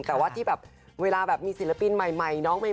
แต่ว่าที่แบบเวลาแบบมีศิลปินใหม่น้องใหม่